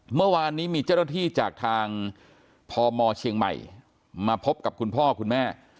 เมื่อวานนี้มีเจ้าหน้าที่จากทางพมเชียงใหม่มาพบกับคุณพ่อคุณแม่